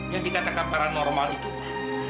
yang dikatakan paranormal itu